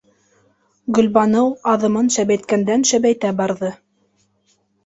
Гөлбаныу аҙымын шәбәйткәндән-шәбәйтә барҙы.